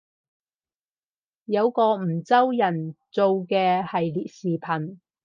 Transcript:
有個梧州人做嘅系列視頻